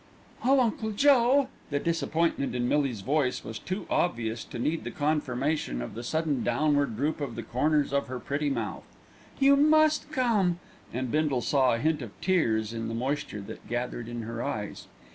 "Oh, Uncle Joe!" The disappointment in Millie's voice was too obvious to need the confirmation of the sudden downward droop of the corners of her pretty mouth. "You must come;" and Bindle saw a hint of tears in the moisture that gathered in her eyes.